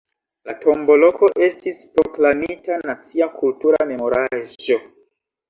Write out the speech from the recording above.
La tombo-loko estis proklamita nacia kultura memoraĵo.